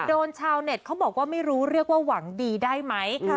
ชาวเน็ตเขาบอกว่าไม่รู้เรียกว่าหวังดีได้ไหม